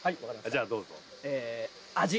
じゃあどうぞえ味